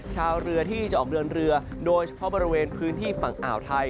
ชาวเรือที่จะออกเดินเรือโดยเฉพาะบริเวณพื้นที่ฝั่งอ่าวไทย